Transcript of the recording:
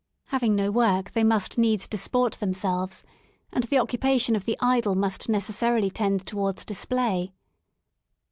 Having no work they must needs disport themselves — and the occupation of the idle must necessarily tend towards display.